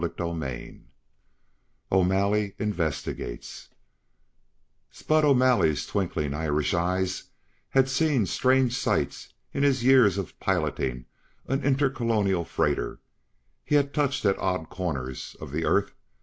CHAPTER IX O'Malley Investigates Spud O'Malley's twinkling Irish eyes had seen strange sights in his years of piloting an Intercolonial freighter; he had touched at odd corners of the Earth.